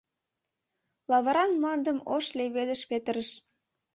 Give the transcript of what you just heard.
Лавыран мландым ош леведыш петырыш.